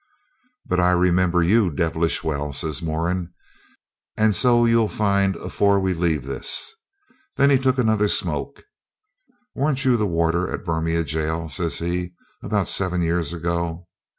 'But I remember you devilish well,' says Moran; 'and so you'll find afore we leave this.' Then he took another smoke. 'Weren't you warder in Berrima Gaol,' says he, 'about seven year ago?